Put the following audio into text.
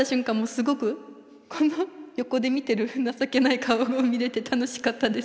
すごくこの横で見てる情けない顔が見れて楽しかったです。